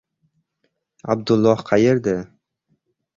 "Abdulloh qaerda?"